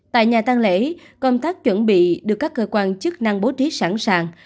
tại nhà tăng lễ công tác chuẩn bị được các cơ quan chức năng bố trí sẵn sàng